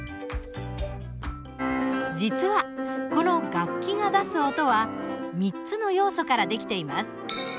実はこの楽器が出す音は３つの要素から出来ています。